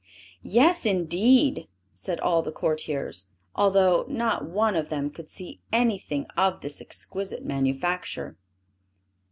"Yes indeed!" said all the courtiers, although not one of them could see anything of this exquisite manufacture.